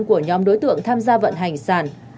của nhóm đối tượng tham gia vận hành sàn